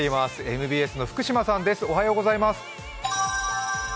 ＭＢＳの福島さんです。